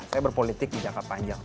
saya berpolitik di jangka panjang